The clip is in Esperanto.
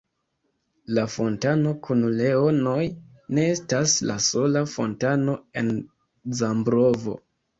La fontano kun leonoj ne estas la sola fontano en Zambrovo.